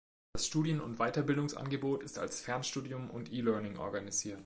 Das Studien- und Weiterbildungsangebot ist als Fernstudium und E-Learning organisiert.